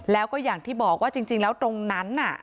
แล้วก็อย่างที่บอกว่าจริงแล้วตรงนั้นน่ะ